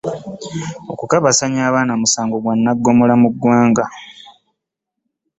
Okukabassanya abaana musango gwa naggomola mu ggwanga.